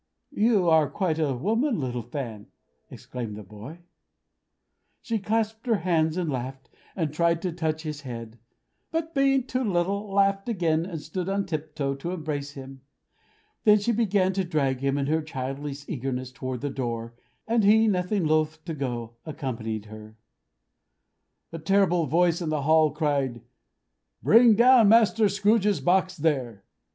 "You are quite a woman, little Fan!" exclaimed the boy. She clapped her hands and laughed, and tried to touch his head; but being too little, laughed again, and stood on tiptoe to embrace him. Then she began to drag him, in her childish eagerness, toward the door; and he, nothing loth to go, accompanied her. A terrible voice in the hall cried, "Bring down Master Scrooge's box, there!"